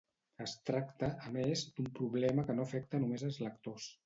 Es tracta, a més, d’un problema que no afecta només els lectors.